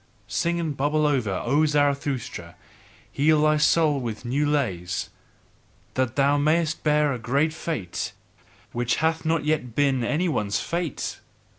Sing and bubble over, O Zarathustra, heal thy soul with new lays: that thou mayest bear thy great fate, which hath not yet been any one's fate!